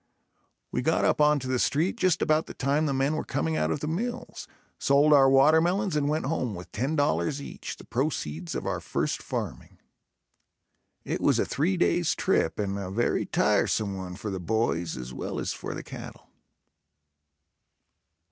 We got up onto the street just about the time the men were coming out of the mills, sold our watermelons and went home with $10.00 each, the proceeds of our first farming. It was a three days trip and a very tiresome one for the boys as well as for the cattle.